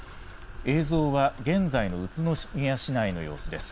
映像は現在の宇都宮市内の様子です。